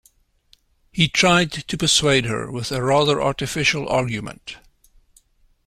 He tried to persuade her with a rather artificial argument